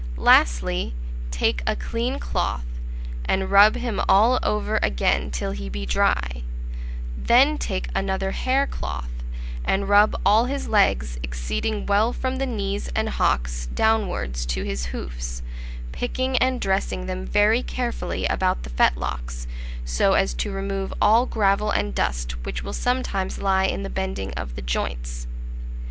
Lastly, take a clean cloth, and rub him all over again till he be dry; then take another hair cloth, and rub all his legs exceeding well from the knees and hocks downwards to his hoofs, picking and dressing them very carefully about the fetlocks, so as to remove all gravel and dust which will sometimes lie in the bending of the joints."